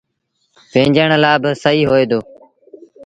ويٚنچڻ لآ با سهيٚ هوئي دو۔